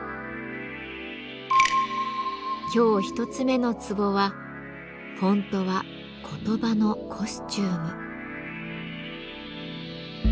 今日１つ目の壺は「フォントは言葉のコスチューム」。